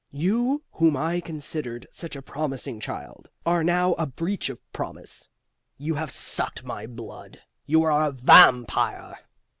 You, whom I considered such a promising child, are now a breach of promise. You have sucked my blood. You are a Vampire."